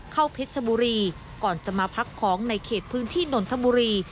เพชรชบุรีก่อนจะมาพักของในเขตพื้นที่นนทบุรี